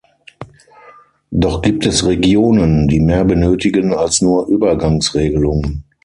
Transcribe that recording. Doch gibt es Regionen, die mehr benötigen als nur Übergangsregelungen.